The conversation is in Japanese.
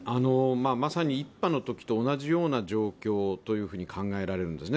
まさに１波のときと同じような状況と考えられるんですね。